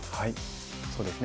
そうですね。